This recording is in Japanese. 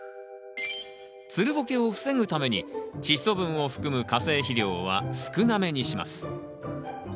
つるボケを防ぐためにチッ素分を含む化成肥料は少なめにします。